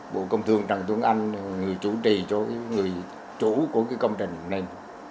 bộ công thương trần tuấn anh người chủ trì người chủ của công trình này